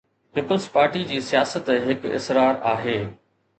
Peoples Party جي سياست هڪ اسرار آهي.